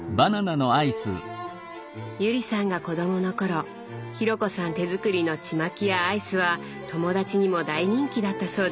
友里さんが子供の頃紘子さん手作りのちまきやアイスは友達にも大人気だったそうです。